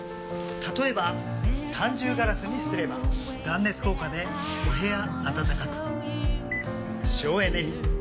例えば三重ガラスにすれば断熱効果でお部屋暖かく省エネに。